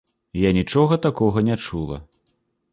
Я нічога такога не чула.